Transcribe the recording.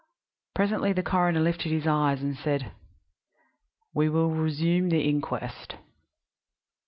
Presently the coroner lifted his eyes and said: "We will resume the inquest."